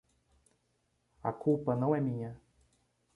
A culpa não é minha.